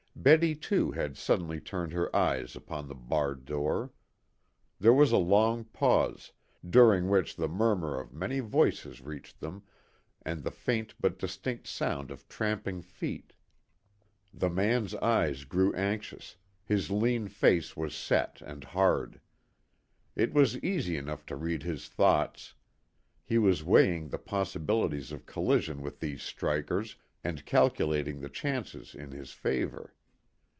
Betty too had suddenly turned her eyes upon the barred door. There was a long pause, during which the murmur of many voices reached them, and the faint but distinct sound of tramping feet. The man's eyes grew anxious, his lean face was set and hard. It was easy enough to read his thoughts. He was weighing the possibilities of collision with these strikers, and calculating the chances in his favor.